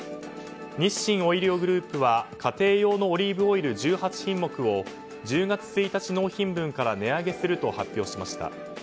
日清オイリオグループは家庭用のオリーブオイル１８品目を１０月１日納品分から値上げすると発表しました。